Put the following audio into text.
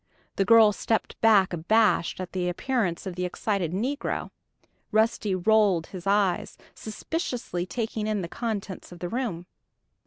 The girl stepped back abashed at the appearance of the excited negro. Rusty rolled his eyes, suspiciously taking in the contents of the room.